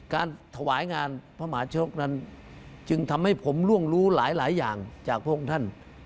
การถวายงานพระมหาชนกนั้นจึงทำให้ผมล่วงรู้หลายอย่างจากพระองค์ท่าน